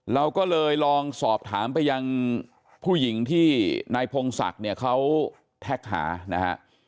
เราก็เลยลองสอบถามไปยังผู้หญิงที่นายพงศักดิ์เนี่ยเขาแท็กหานะฮะ